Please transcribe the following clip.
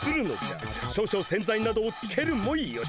少々洗剤などをつけるもよし。